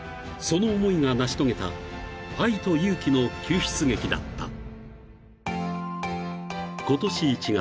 ［その思いが成し遂げた愛と勇気の救出劇だった］